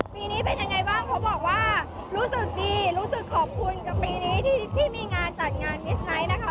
ปีนี้เป็นยังไงบ้างเขาบอกว่ารู้สึกดีรู้สึกขอบคุณกับปีนี้ที่มีงานจัดงานมิสไนท์นะคะ